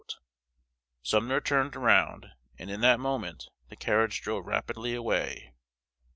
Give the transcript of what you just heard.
Sumner turned around; and, in that moment, the carriage drove rapidly away.